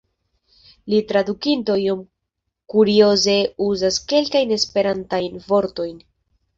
La tradukinto iom kurioze uzas kelkajn esperantajn vortojn.